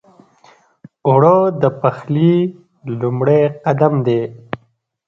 اوړه د پخلي لومړی قدم دی